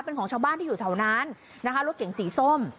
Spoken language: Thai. เป็นของชาวบ้านที่อยู่แถวนั้นนะคะรถเก่งสีส้ม